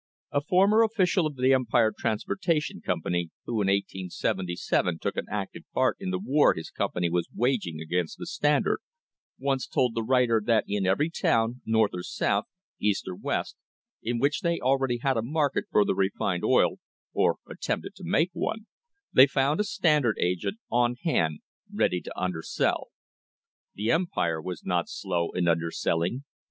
A former official of the Empire Transportation Company, who in 1877 t0 °k an active part in the war his company was waging against the Standard, once told the writer that in every town, North or South, East or West, in which they already had a market for their refined oil, or attempted to make one, they found a Standard agent * STRENGTHENING THE FOUNDATIONS on hand ready to undersell. The Empire was not slow in underselling.